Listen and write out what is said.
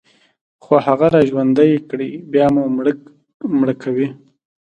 خو هغه راژوندي كړئ، بيا مو مړه کوي